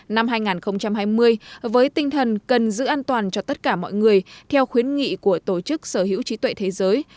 năm hai nghìn hai mươi với tinh thần cần giữ an toàn cho tất cả mọi người theo khuyến nghị của tổ chức sở hữu trí tuệ thế giới